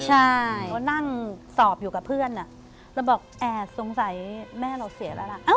ใช่เขานั่งสอบอยู่กับเพื่อนเราบอกแอบสงสัยแม่เราเสียแล้วล่ะ